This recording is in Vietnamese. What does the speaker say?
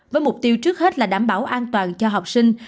với mục tiêu trước hết là đảm bảo an toàn cho học sinh